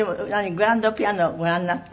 グランドピアノをご覧になって？